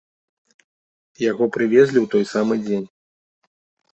Яго прывезлі ў той самы дзень.